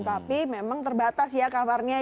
tapi memang terbatas ya kabarnya